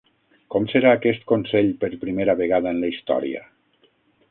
Com serà aquest Consell per primera vegada en la història?